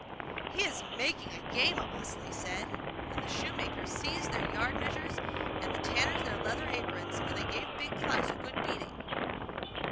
'He is making game of us,' they said; and the shoemakers seized their yard measures and the tanners their leathern aprons and they gave Big Klaus a good beating.